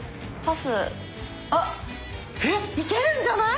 あいけるんじゃない？